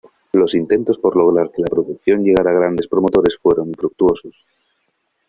Los intentos por lograr que la producción llegara a grandes promotores fueron infructuosos.